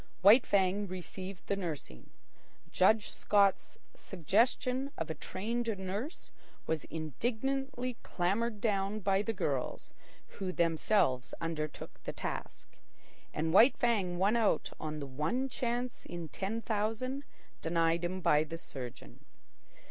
White Fang received the nursing. Judge Scott's suggestion of a trained nurse was indignantly clamoured down by the girls, who themselves undertook the task. And White Fang won out on the one chance in ten thousand denied him by the surgeon.